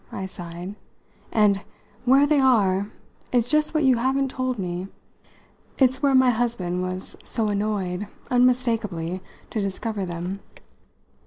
I sighed; "and 'where they are' is just what you haven't told me." "It's where my husband was so annoyed unmistakably to discover them."